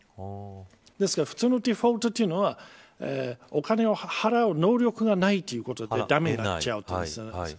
ですから普通のデフォルトというのはお金を払う能力がないということで駄目になっちゃうってことです。